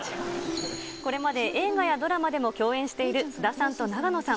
これまで映画やドラマでも共演している菅田さんと永野さん。